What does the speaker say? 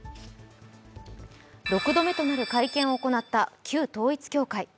６度目の会見を行った旧統一教会。